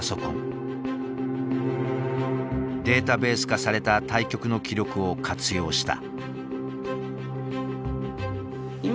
データベース化された対局の記録を活用した。